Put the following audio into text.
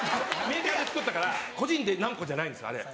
メーカーで作ったから個人で何個じゃないんですあれ。